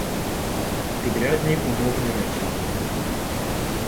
Підрядні умовні речення